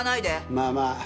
まあまあ。